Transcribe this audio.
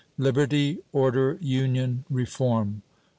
Liberty! Order! Union! Reform!